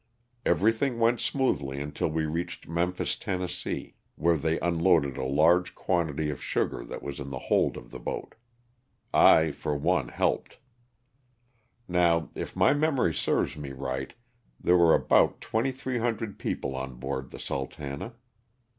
Everything went smoothly until we reached Memphis, Tenn., where they unloaded a large quantity of sugar that was in the hold of the boat. I, for one, helped. LOSS OF THE SULTANA. 301 Now, if my memory serves me right, there were about 2,300 people on board the ''Sultana."